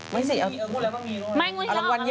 ไม่สิเอาละมีเอาละมีเอาละ